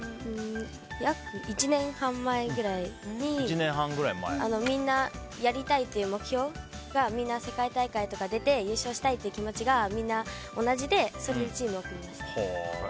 約１年半くらい前にみんなやりたいっていう目標でみんな世界大会とか出て優勝したいっていう気持ちが同じでそれでチームを組みました。